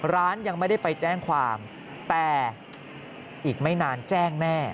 ร้านยังไม่ได้ไปแจ้งความแต่อีกไม่นานแจ้งแม่